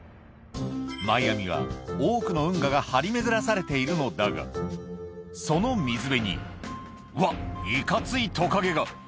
マイアミは多くの運河が張り巡らされているのだが、その水辺に、うわっ、いかついトカゲが。